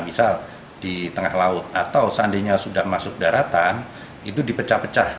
misal di tengah laut atau seandainya sudah masuk daratan itu dipecah pecah